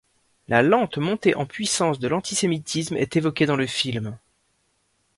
La lente montée en puissance de l'antisémitisme est évoquée dans le film.